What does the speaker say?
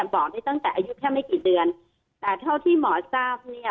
บอกได้ตั้งแต่อายุแค่ไม่กี่เดือนแต่เท่าที่หมอทราบเนี่ย